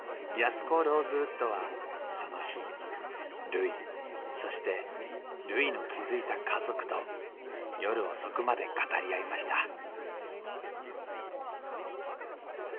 安子・ローズウッドはその日るいそしてるいの築いた家族と夜遅くまで語り合いました